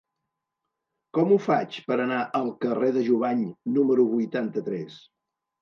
Com ho faig per anar al carrer de Jubany número vuitanta-tres?